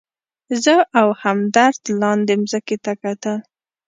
زه او همدرد لاندې مځکې ته کتل.